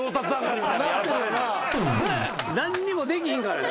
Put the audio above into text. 何にもできひんから。